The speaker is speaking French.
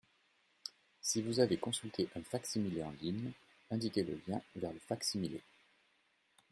Si vous avez consulté un fac-similé en ligne, indiquez le lien vers le fac-similé.